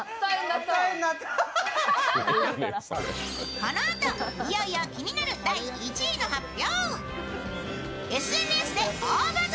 このあと、いよいよ気になる第１位の発表。